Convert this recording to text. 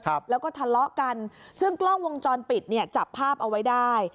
ครับแล้วก็ทะเลาะกันซึ่งกล้องวงจรปิดเนี่ยจับภาพเอาไว้ได้